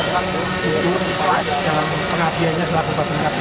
yang berkuasa yang positif yang jujur yang kelas dalam pengabdiannya selaku berpengabdian